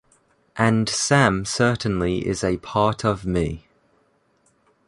And Sam certainly is a part of me.